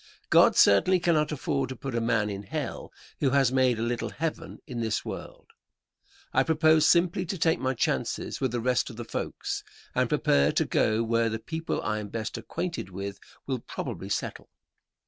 God certainly cannot afford to put a man in hell who has made a little heaven in this world. I propose simply to take my chances with the rest of the folks, and prepare to go where the people I am best acquainted with will probably settle.